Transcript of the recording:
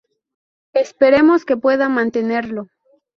Esperemos que pueda mantenerlo".